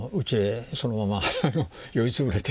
そのまま酔い潰れて。